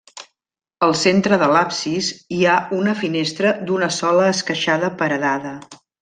Al centre de l'absis hi ha una finestra d'una sola esqueixada paredada.